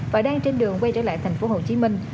và đang trên đường quay trở lại thành phố hồ chí minh